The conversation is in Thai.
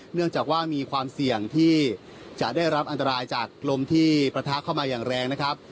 เนื่องจากว่ามีความเสี่ยงที่จะได้รับอันตรายจากลมที่ประทะเข้ามาอย่างแรงนะครับ